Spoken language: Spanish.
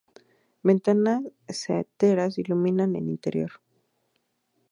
Ventanas saeteras iluminan el interior.